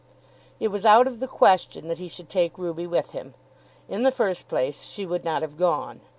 It was out of the question that he should take Ruby with him. In the first place she would not have gone.